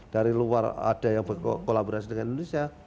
dari luar ada yang berkolaborasi dengan indonesia